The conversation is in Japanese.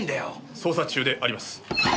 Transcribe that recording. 捜査中であります。